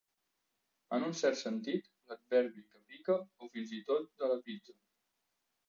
En un cert sentit, l'adverbi que pica, o fins i tot de la pizza.